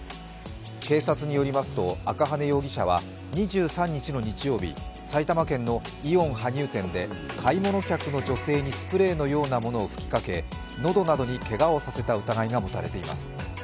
警察によりますと赤羽容疑者は２３日の日曜日、埼玉県のイオン羽生店で買い物客の女性にスプレーのようなものを吹きかけ喉などにけがをさせた疑いが持たれています。